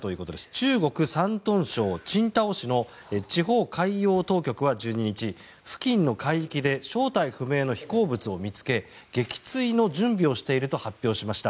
中国・山東省青島市の地方海洋当局は１２日付近の海域で正体不明の飛行物を見つけ撃墜の準備をしていると発表しました。